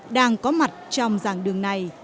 đang có mặt trong dạng đường này